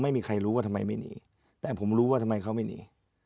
ไม่มีใครรู้ว่าทำไมไม่หนีแต่ผมรู้ว่าทำไมเขาไม่หนี